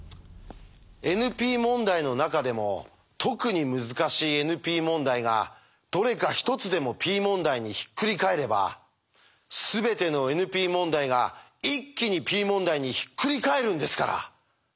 ＮＰ問題の中でも特に難しいＮＰ問題がどれか１つでもＰ問題にひっくり返ればすべてのＮＰ問題が一気にＰ問題にひっくり返るんですから。